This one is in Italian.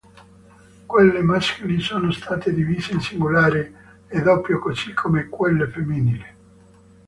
Quelle maschili sono state divise in singolare e doppio così come quelle femminili.